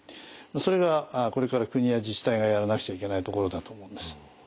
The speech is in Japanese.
それがこれから国や自治体がやらなくちゃいけないところだと思うんです。